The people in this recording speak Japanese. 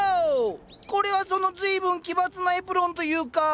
これはその随分奇抜なエプロンというか。